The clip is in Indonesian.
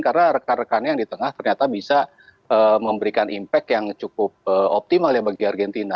karena rekan rekannya yang di tengah ternyata bisa memberikan impact yang cukup optimal ya bagi argentina